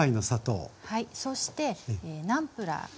そしてナムプラー。